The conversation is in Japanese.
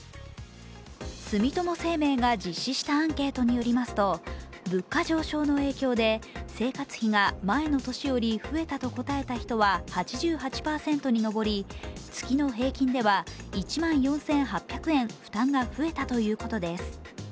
住友生命が実施したアンケートによりますと物価上昇の影響で、生活費が前の年より増えたと答えた人は８８％に上り月の平均では１万４８００円負担が増えたということです。